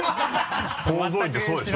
宝蔵院ってそうでしょ？